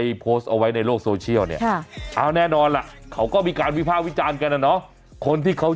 ฮ่าฮ่าฮ่าฮ่าฮ่าฮ่าฮ่าฮ่าฮ่าฮ่าฮ่าฮ่า